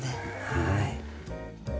はい。